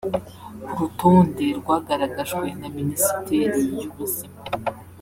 Ku rutonde rwagaragajwe na Minisiteri y’ubuzima